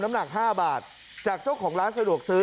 หนัก๕บาทจากเจ้าของร้านสะดวกซื้อ